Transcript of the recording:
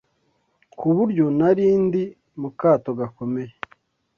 ku buryo nari ndi mu kato gakomeye